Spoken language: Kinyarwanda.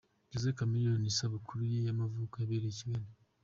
Jose Chameleone isabukuru ye y'amavuko yabereye i Kigali.